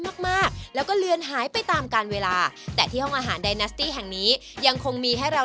มากมากแล้วก็เลือนหายไปตามการเวลาแต่ที่ห้องอาหารไดนาสตี้แห่งนี้ยังคงมีให้เรา